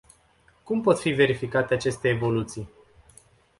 Cum pot fi verificate aceste evoluții?